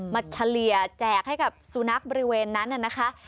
เฉลี่ยแจกให้กับสุนัขบริเวณนั้นน่ะนะคะ